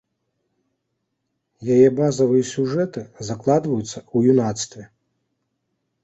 Яе базавыя сюжэты закладваюцца ў юнацтве.